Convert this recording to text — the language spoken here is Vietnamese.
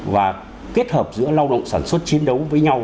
và kết hợp giữa lao động sản xuất chiến đấu với nhau